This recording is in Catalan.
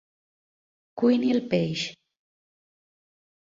Cuini el peix.